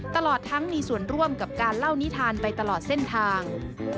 ตลอดทั้งมีส่วนร่วมกับการเล่านิทานไปตลอดเส้นทาง